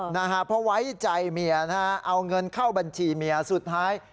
นะฮะเพราะไว้ใจเมียนะฮะเอาเงินเข้าบัญชีเมียสุดท้าย